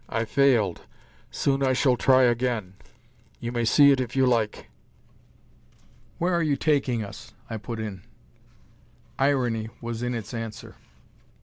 I failed. Soon I shall try again. You may see it if you like." "Where are you taking us?" I put in. Irony was in its answer.